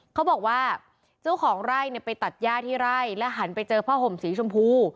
เขาบอกว่าเจ้าของไร่เนี่ยไปตัดย่าที่ไร่และหันไปเจอผ้าห่มสีชมพู